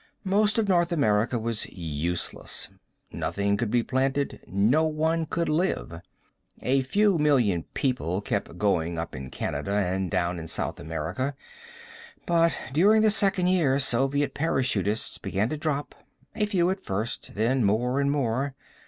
Most of North America was useless; nothing could be planted, no one could live. A few million people kept going up in Canada and down in South America. But during the second year Soviet parachutists began to drop, a few at first, then more and more.